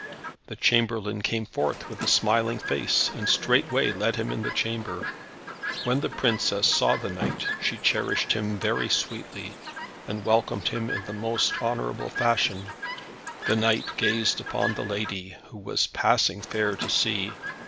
The chamberlain came forth with a smiling face, and straightway led him in the chamber. When the princess saw the knight, she cherished him very sweetly, and welcomed him in the most honourable fashion. The knight gazed upon the lady, who was passing fair to see.